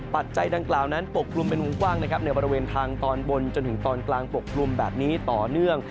ปัจจัยดังกล่าวนั้นปกกลุ่มเป็นวงกว้างนะครับในบริเวณทางตอนบนจนถึงตอนกลางปกกลุ่มแบบนี้ต่อเนื่อง